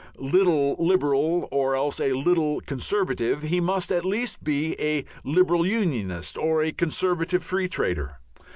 little Liber al, or else a little Conservative," he must at least be a Liberal Unionist or a Conservative Free Trader.